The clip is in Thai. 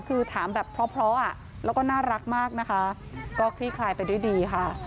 คือถามแบบเพราะแล้วก็น่ารักมากนะคะก็คลี่คลายไปด้วยดีค่ะ